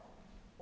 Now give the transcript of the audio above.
あ。